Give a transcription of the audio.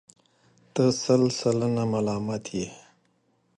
ته سل سلنه ملامت یې.